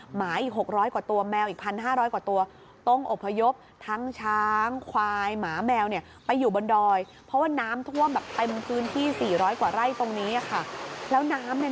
หมาอีก๖๐๐กว่าตัวแมวอีก๑๕๐๐กว่าตัว